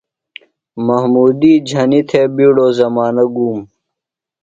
محمودی جھنیۡ تھےۡ بِیڈوۡ زمانہ گُوم۔